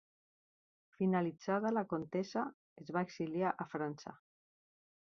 Finalitzada la contesa es va exiliar a França.